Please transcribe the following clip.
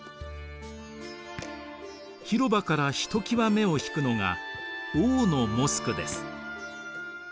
広場からひときわ目を引くのが王のモスクです。